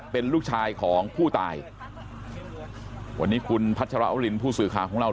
เป็นลูกชายของผู้ตายวันนี้คุณพัชรวรินผู้สื่อข่าวของเรา